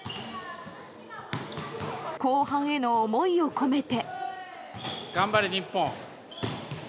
後半への思いを込めて。